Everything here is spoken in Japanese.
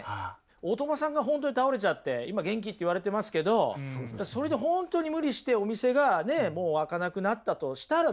大友さんが本当に倒れちゃって今元気って言われてますけどそれで本当に無理してお店がもう開かなくなったとしたらですよ